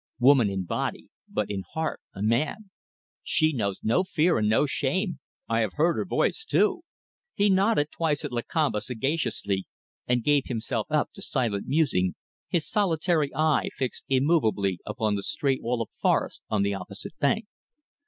Woman in body, but in heart a man! She knows no fear and no shame. I have heard her voice too." He nodded twice at Lakamba sagaciously and gave himself up to silent musing, his solitary eye fixed immovably upon the straight wall of forest on the opposite bank.